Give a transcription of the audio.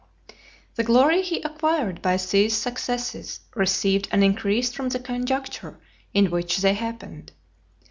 XVII. The glory he acquired by these successes received an increase from the conjuncture in which they happened.